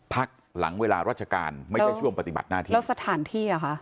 พักหลังเวลารับชการไม่ซะช่วงปฏิบัติหน้าที่